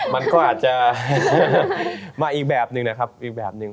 มันก็อาจจะมาอีกแบบหนึ่งนะครับ